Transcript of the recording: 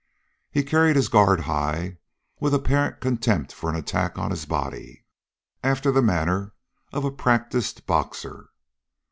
He carried his guard high, with apparent contempt for an attack on his body, after the manner of a practiced boxer.